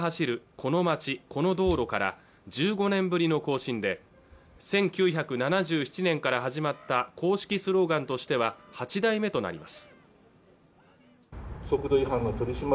この街この道路から１５年ぶりの更新で１９７７年から始まった公式スローガンとしては８代目となります